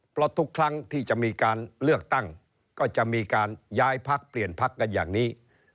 เพราะทุกครั้งที่จะมีการเลือกตั้งก็จะมีการย้ายพักเปลี่ยนพักกันอย่างนี้